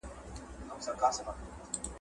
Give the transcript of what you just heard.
فعالیت په سړه هوا کې د زړه د روغتیا لپاره ګټور دی.